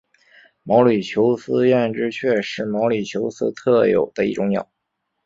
毛里求斯艳织雀是毛里求斯特有的一种鸟。